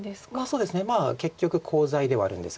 そうですね結局コウ材ではあるんですが。